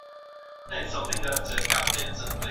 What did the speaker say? هر يو چي موجود او مخکي سو، هغه صحيح دي.